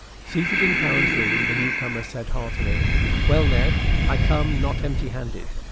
Seated in Cowen's room, the new comer said, heartily, "Well, Ned, I come not empty handed.